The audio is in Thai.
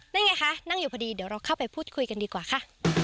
นั่นไงคะนั่งอยู่พอดีเดี๋ยวเราเข้าไปพูดคุยกันดีกว่าค่ะ